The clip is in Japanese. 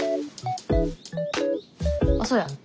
あっそうや。